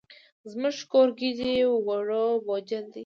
زموږ کورګی دی ووړ بوجل دی.